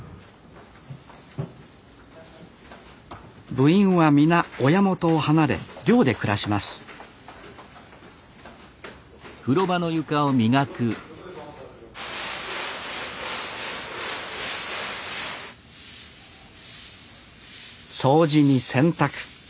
部員は皆親元を離れ寮で暮らします掃除に洗濯。